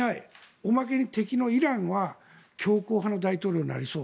おまけに敵のイランは強硬派の大統領になりそう。